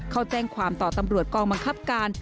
เขาแจ้งความต่อตำรวจกองบังคับการ